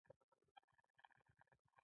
د کوچي غږ يې واورېد: